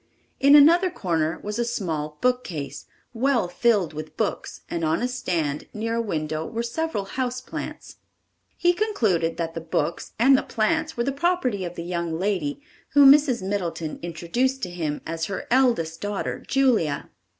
In another corner was a small bookcase, well filled with books and on a stand near a window were several house plants. He concluded that the books and the plants were the property of the young lady, whom Mrs. Middleton introduced to him as her eldest daughter Julia.